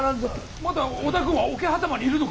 まだ織田軍は桶狭間にいるのか？